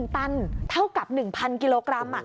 ตันเท่ากับ๑๐๐กิโลกรัม